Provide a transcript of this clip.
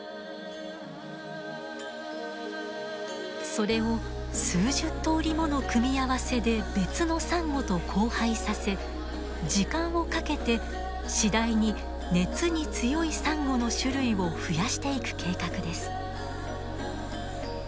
それを数十通りもの組み合わせで別のサンゴと交配させ時間をかけて次第に熱に強いサンゴの種類を増やしていく計画です。